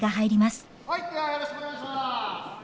はいではよろしくお願いします。